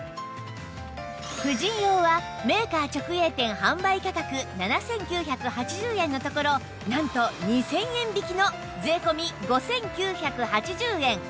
婦人用はメーカー直営店販売価格７９８０円のところなんと２０００円引きの税込５９８０円